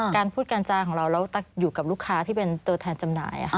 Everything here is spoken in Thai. การพูดการจาของเราแล้วอยู่กับลูกค้าที่เป็นตัวแทนจำหน่าย